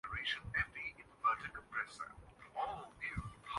وہاں سکیورٹی کا ایک نظام کار ہے۔